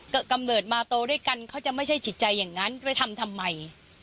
ก็กำเนิดมาโตด้วยกันเขาจะไม่ใช่จิตใจอย่างนั้นไปทำทำไม